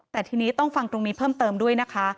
แต่ทีนี้ต้องฟังตรงนี้เพิ่มเติมด้วยนะคะ